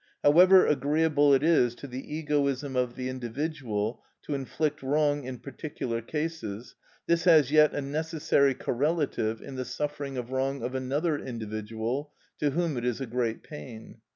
However agreeable it is to the egoism of the individual to inflict wrong in particular cases, this has yet a necessary correlative in the suffering of wrong of another individual, to whom it is a great pain.